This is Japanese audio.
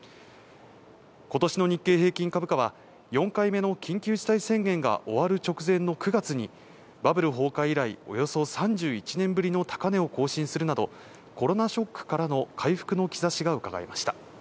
今年の日経平均株価は４回目の緊急事態宣言が終わる直前の９月にバブル崩壊以来、およそ３１年ぶりの高値を更新するなどコロナショックからの回復の兆しがうかがえました。